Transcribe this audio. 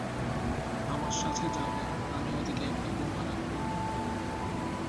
আমার সাথে যাবে, আমি ওদিকে একটা বোমা রাখবো।